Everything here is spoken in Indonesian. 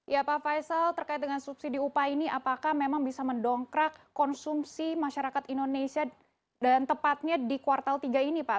ya pak faisal terkait dengan subsidi upah ini apakah memang bisa mendongkrak konsumsi masyarakat indonesia dan tepatnya di kuartal tiga ini pak